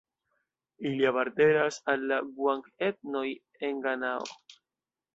Ili apartenas al la guang-etnoj en Ganao.